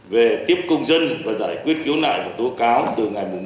về tiếp công dân và giải quyết khiếu nại và tố cáo từ ngày một mươi